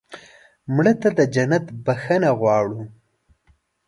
مړه ته د جنت بښنه غواړو